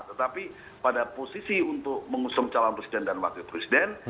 tetapi pada posisi untuk mengusung calon presiden dan wakil presiden